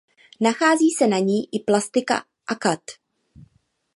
Nachází se na ní i plastika akad.